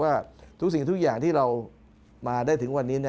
สุดนั้นก็คือว่าทุกสิ่งทุกอย่างที่เรามาได้ถึงวันนี้